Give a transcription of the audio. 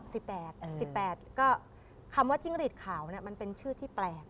สิบแปดสิบแปดก็คำว่าจิ้งหลีดขาวเนี้ยมันเป็นชื่อที่แปลก